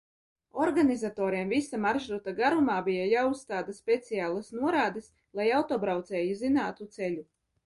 Organizatoriem visa maršruta garumā bija jāuzstāda speciālas norādes, lai autobraucēji zinātu ceļu.